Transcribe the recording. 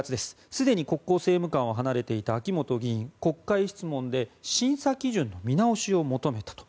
すでに国交政務官を離れていた秋本議員国会質問で審査基準の見直しを求めたと。